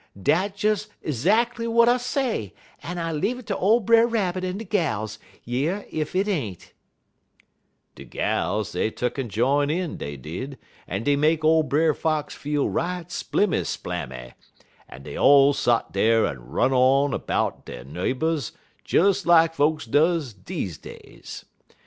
Dat des 'zactly w'at I say, en I leave it ter ole Brer Rabbit en de gals yer ef 't ain't.' "De gals, dey tuck'n jine in, dey did, en dey make ole Brer Fox feel right splimmy splammy, en dey all sot dar en run on 'bout dey neighbors des lak folks does deze days.